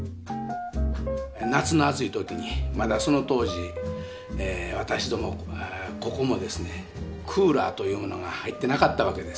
夏の暑い時にまだその当時私どもここもですねクーラーというものが入ってなかったわけです。